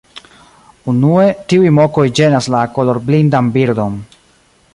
Unue, tiuj mokoj ĝenas la kolorblindan birdon.